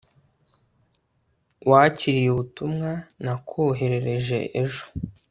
wakiriye ubutumwa nakwoherereje ejo